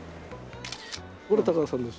これ高田さんです。